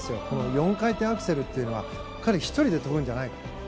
この４回転アクセルというのは彼１人で跳ぶんじゃない。